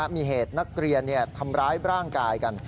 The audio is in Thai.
มีเหตุนักเรียนทำร้ายร่างกายกัน